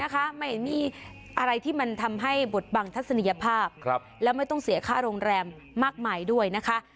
ไม่มีอะไรที่มันทำให้บทบังทัศนียภาพและไม่ต้องเสียค่าโรงแรมมากมายด้วยนะคะ